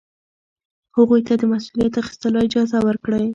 هغوی ته د مسؤلیت اخیستلو اجازه ورکړئ.